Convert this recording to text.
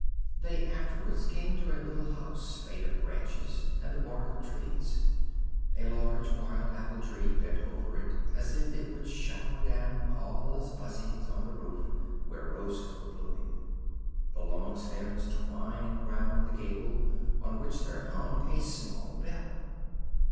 They afterwards came to a little house, made of branches and the bark of trees; a large wild apple tree bent over it, as if it would shower down all its blessings on the roof, where roses were blooming. The long stems twined round the gable, on which there hung a small bell.